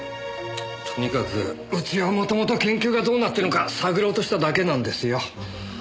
とにかくうちはもともと研究がどうなっているのか探ろうとしただけなんですよ。